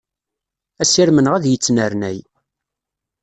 Asirem-nneɣ ad yettnernay.